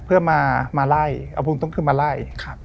เพื่อมาไล่เอาพรุ่งต้นคือมาไล่